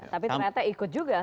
tapi ternyata ikut juga